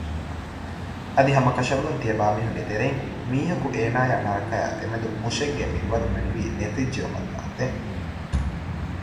އަދި ހަމަކަށަވަރުން ތިޔަބައިމީހުންގެ ތެރެއިން މީހަކު އޭނާއާއި ނަރަކައާ ދެމެދު މުށެއްގެ މިންވަރު މެނުވީ ނެތިއްޖައުމަށް ދާންދެން